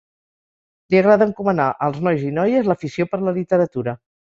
Li agrada encomanar als nois i noies l'afició per la literatura.